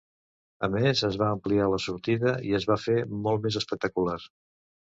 A més, es va ampliar la sortida i es va fer molt més espectacular.